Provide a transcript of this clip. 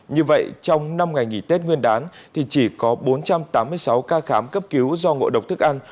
như vậy trong năm ngày nghỉ tết nguyên đán thì chỉ có bốn trăm tám mươi sáu ca khám cấp cứu do ngộ độc thức ăn